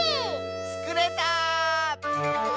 つくれた！